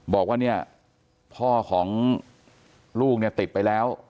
บอกว่าเนี่ยพ่อของลูกเนี่ยติดไปแล้ว